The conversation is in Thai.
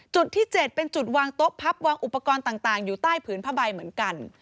จุดที่๗เป็นจุดวางโต๊ะพับวางอุปกรณ์ต่างอยู่ใต้ผืนผ้าใบเหมือนกัน